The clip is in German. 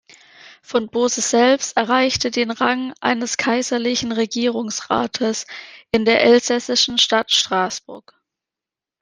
Von Bose selbst erreichte den Rang eines kaiserlicher Regierungsrates in der elsässischen Stadt Straßburg.